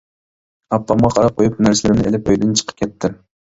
ئاپامغا قاراپ قويۇپ نەرسىلىرىمنى ئېلىپ ئۆيدىن چىقىپ كەتتىم.